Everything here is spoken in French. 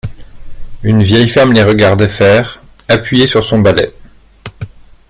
Une vieille femme les regardait faire, appuyée sur son balai.